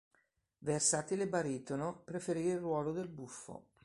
Versatile baritono, preferì il ruolo del buffo.